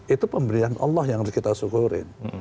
itu pemberian allah yang harus kita syukurin